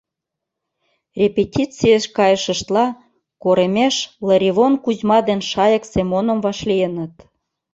Репетицийыш кайышыштла, коремеш Лыривон Кузьма ден Шайык Семоным вашлийыныт.